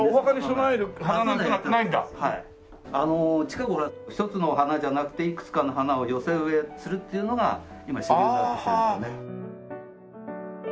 近頃は１つのお花じゃなくていくつかの花を寄せ植えするっていうのが今主流になってきてますよね。